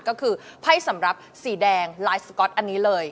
ก็คือไพ่สำหรับสีแดงลายสก๊อตอันนี้เลย